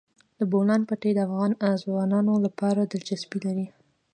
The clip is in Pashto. د بولان پټي د افغان ځوانانو لپاره دلچسپي لري.